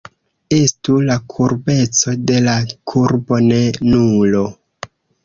Estu la kurbeco de la kurbo ne nulo.